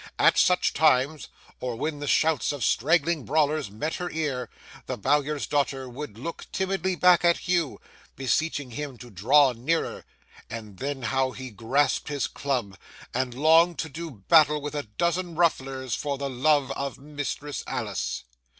At such times, or when the shouts of straggling brawlers met her ear, the Bowyer's daughter would look timidly back at Hugh, beseeching him to draw nearer; and then how he grasped his club and longed to do battle with a dozen rufflers, for the love of Mistress Alice!